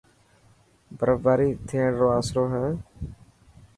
برف باري ٿيڻ رو آسرو هي.